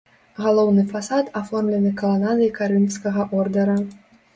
Галоўны фасад аформлены каланадай карынфскага ордара.